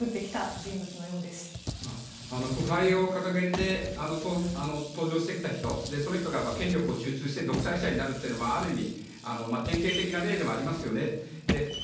反腐敗を掲げて登場してきた人その人が権力を集中して独裁者になるというのはある意味典型的な例ではありますよね。